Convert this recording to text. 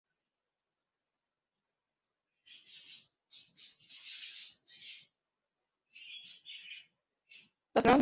Las nuevas maquinarias y los materiales modificaron las vestimentas en numerosas maneras.